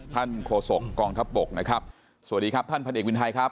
โฆษกกองทัพบกนะครับสวัสดีครับท่านพันเอกวินไทยครับ